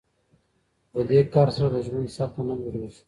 خو په دې کار سره د ژوند سطحه نه لوړیږي.